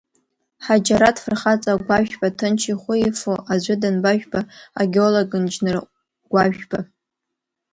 Ҳаџьараҭ фырхаҵа Гәажәба ҭынч ихәы ифо аӡәы данбажәба, агеолог-нџьныр Гәажәба…